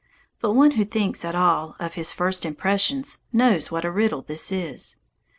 But one who thinks at all of his first impressions knows what a riddle this is.